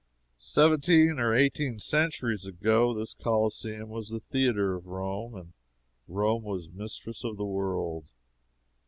Seventeen or eighteen centuries ago this Coliseum was the theatre of Rome, and Rome was mistress of the world.